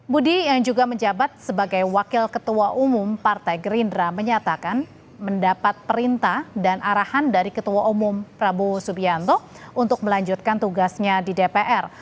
budi yang juga menjabat sebagai wakil ketua umum partai gerindra menyatakan mendapat perintah dan arahan dari ketua umum prabowo subianto untuk melanjutkan tugasnya di dpr